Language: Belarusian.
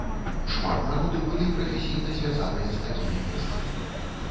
Шмат народу былі прафесійна звязаныя з такімі месцамі.